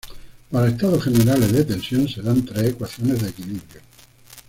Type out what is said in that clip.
Para estados generales de tensión se dan tres ecuaciones de equilibrio.